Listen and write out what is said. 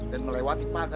dan melewati pagi